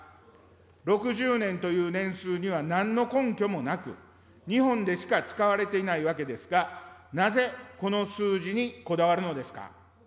６０年という年数にはなんの根拠もなく、日本でしか使われていないわけですが、なぜこの数字にこだわるのですか。